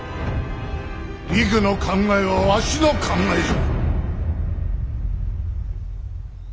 りくの考えはわしの考えじゃ。